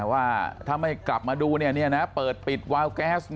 ว่าถ้าไม่กลับมาดูเปิดปิดวาวแก๊ส